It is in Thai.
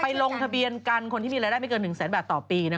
ลงทะเบียนกันคนที่มีรายได้ไม่เกิน๑แสนบาทต่อปี